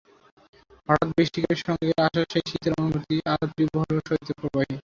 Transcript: হঠাৎ বৃষ্টিকে সঙ্গী করে আসা সেই শীতের অনুভূতি আরও তীব্র হলো শৈত্যপ্রবাহে।